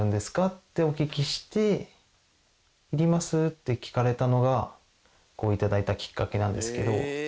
ってお聞きしていります？って聞かれたのがいただいたきっかけなんですけど。